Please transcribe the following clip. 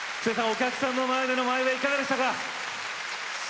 お客さんの前でいかがでしたか。